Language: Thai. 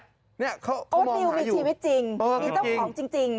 โอ๊ตนิวมีชีวิตจริงมีเจ้าของจริง